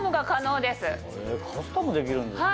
カスタムできるんですか？